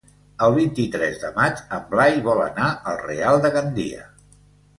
El vint-i-tres de maig en Blai vol anar al Real de Gandia.